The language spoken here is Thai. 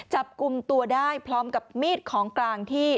จับกลุ่มตัวได้พร้อมกับมีดของกลางที่